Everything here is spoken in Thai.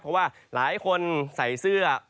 เพราะว่าหลายคนใส่เสื้อ